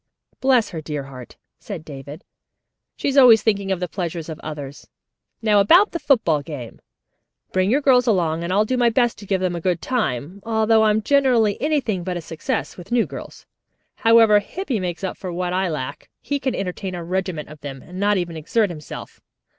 "Bless her dear heart," said David, "she is always thinking of the pleasure of others. Now about the football game. Bring your girls along and I'll do my best to give them a good time, although I'm generally anything but a success with new girls. However, Hippy makes up for what I lack. He can entertain a regiment of them, and not even exert himself.